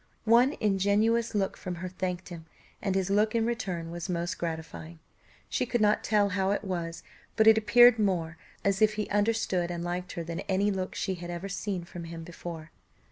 One ingenuous look from her thanked him, and his look in return was most gratifying; she could not tell how it was, but it appeared more as if he understood and liked her than any look she had ever seen from him before.